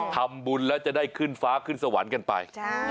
ทำบุญแล้วจะได้ขึ้นฟ้าขึ้นสวรรค์กันไป